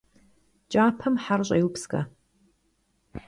Кӏапэм хьэр щӏеупскӏэ.